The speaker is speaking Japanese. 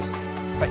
はい。